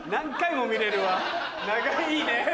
長いね。